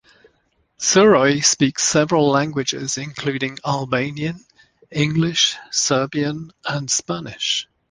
Surroi speaks several languages, including: Albanian, English, Serbian and Spanish.